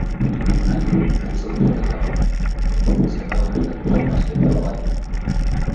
Alisema pia Wazawa wamewekewa fursa ambayo wanaweza kuingia ubia na watu wengine wenye uwezo